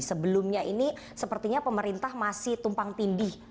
sebelumnya ini sepertinya pemerintah masih tumpang tindih